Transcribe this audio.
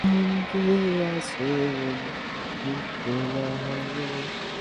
এসব কারণে Messrs Farmic laboratories লিমিটেডকে পাঁচ লাখ টাকা জরিমানা করা হয়েছে।